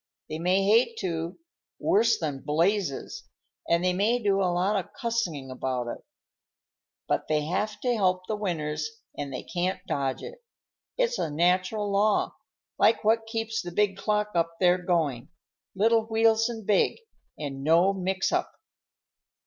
They may hate to, worse than blazes, and they may do a lot of cussin' about it, but they have to help the winners and they can't dodge it. It's a natural law, like what keeps the big clock up there going, little wheels and big, and no mix up."